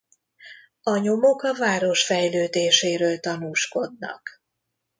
A nyomok a város fejlődéséről tanúskodnak.